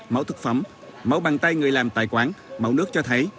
mẫu thực phẩm mẫu bằng tay người làm tại quán mẫu nước cho thấy